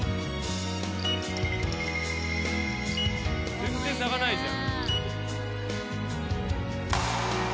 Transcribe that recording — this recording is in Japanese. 全然咲かないじゃん。